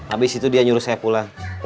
abis itu dia nyuruh saya pulang